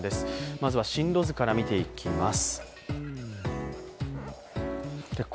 まずは進路図から見ていきます